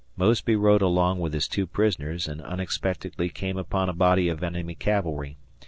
Mosby rode along with his two prisoners and unexpectedly came upon a body of enemy cavalry.